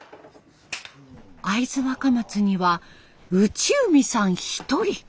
会津若松には内海さん一人！